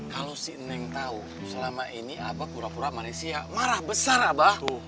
kalau si neng tahu selama ini abah pura pura manusia marah besar abah